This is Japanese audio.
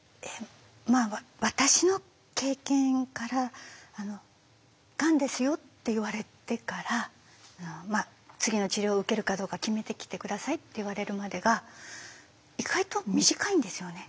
まあ私の経験から「がんですよ」って言われてから「次の治療を受けるかどうか決めてきて下さい」って言われるまでが意外と短いんですよね。